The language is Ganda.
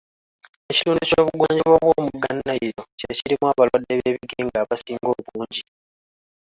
Ekitundu ky'obugwanjuba bw'omugga Nile ky'ekirimu abalwadde b'ebigenge abasinga obungi.